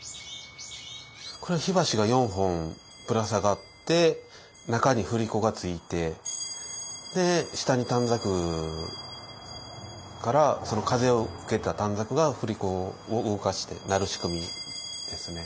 これは火箸が４本ぶら下がって中に振り子がついて下に短冊風を受けた短冊が振り子を動かして鳴る仕組みですね。